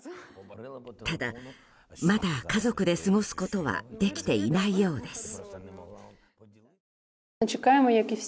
ただ、まだ家族で過ごすことはできていないようです。